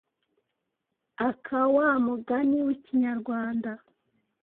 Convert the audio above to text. aka wa mugani w’ikinyarwanda.